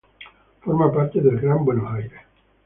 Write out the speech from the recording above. Forma parte del Gran Buenos Aires.